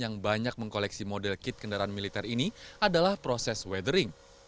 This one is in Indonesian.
yang banyak mengkoleksi model kit kendaraan militer ini adalah proses weathering